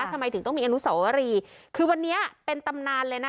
ทำไมถึงต้องมีอนุสวรีคือวันนี้เป็นตำนานเลยนะ